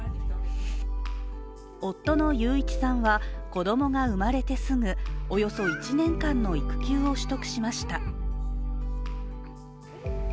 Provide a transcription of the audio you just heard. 夫の勇一さんは子供が生まれてすぐおよそ１年間の育休を取得しました。